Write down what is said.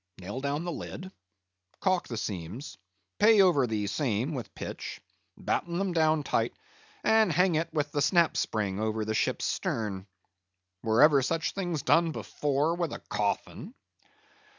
Nail down the lid; caulk the seams; pay over the same with pitch; batten them down tight, and hang it with the snap spring over the ship's stern. Were ever such things done before with a coffin?